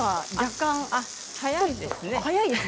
早いですね。